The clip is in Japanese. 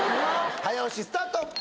早押しスタート！